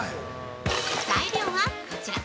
材料はこちら。